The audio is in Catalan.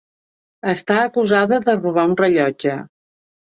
Està acusada de robar un rellotge.